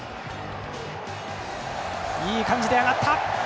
いい感じで上がった。